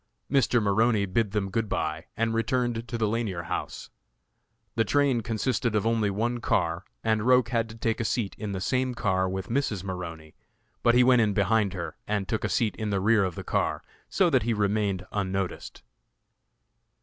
Mr. Maroney bid them good bye, and returned to the Lanier House. The train consisted of only one car, and Roch had to take a seat in the same car with Mrs. Maroney, but he went in behind her, and took a seat in the rear of the car, so that he remained unnoticed.